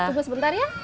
coba sebentar ya